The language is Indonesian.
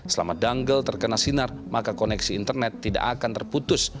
selama dungle terkena sinar maka koneksi internet tidak akan terputus